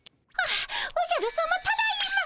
あおじゃるさまただいま。